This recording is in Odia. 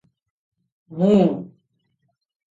ମୁଁ-